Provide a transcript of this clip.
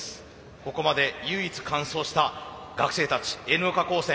ここまで唯一完走した学生たちＮ岡高専